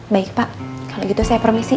baik pak kalau gitu saya permisi